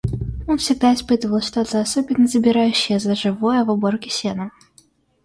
Он всегда испытывал что-то особенно забирающее за живое в уборке сена.